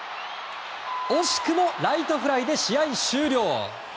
惜しくもライトフライで試合終了。